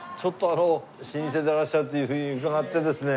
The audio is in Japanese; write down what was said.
老舗でいらっしゃるというふうに伺ってですね